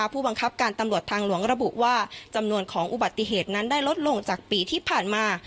ผู้บังคับการตำรวจทางหลวงระบุว่าจำนวนของอุบัติเหตุนั้นได้ลดลงจากปีที่ผ่านมา